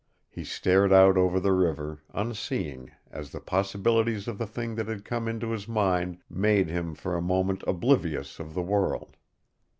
He stared out over the river, unseeing, as the possibilities of the thing that had come into his mind made him for a moment oblivious of the world.